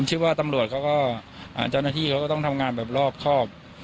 เจ้าหน้าที่เขาก็ต้องทำงานแบบรอบครอบ